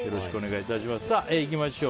ではいきましょう。